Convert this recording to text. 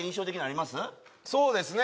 そうですね